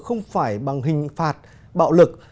không phải bằng hình phạt bạo lực